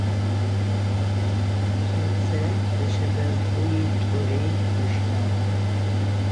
Цуцэ нэшэбэгуитӏури ыштагъ.